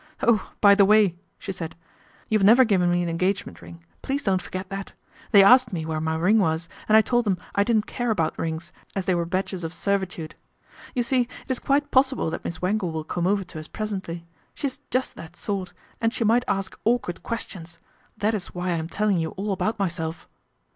" Oh, by the way," she said, " you have never given me an engagement ring. Please don't forget that. They asked me where my ring was, and I told them I didn't care about rings, as they were badges of servitude You see it is quite possible that Miss Wangle will come over to us presently. She's just that sort, and she might ask awkward questions, that is why I am telling you all about myself."